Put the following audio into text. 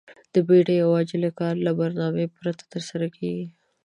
د بيړې او عجلې کار له برنامې پرته ترسره کېږي.